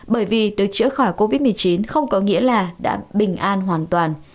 bởi vì được chữa khỏi covid một mươi chín không có nghĩa là đã bình an hoàn toàn